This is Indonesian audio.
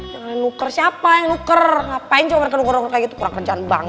jangan nuker siapa yang nuker ngapain coba mereka denger kayak gitu kurang kerjaan banget